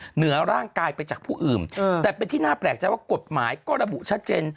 เหนือร่างกายไปจากผู้อื่นแต่เป็นที่น่าแปลกใจว่ากฎหมายก็ระบุชัดเจน